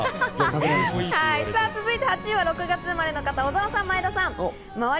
続いて８位は６月生まれの方、小澤さんと前田さん。